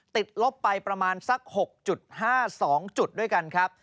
ลบไปประมาณสัก๖๕๒จุดด้วยกันครับ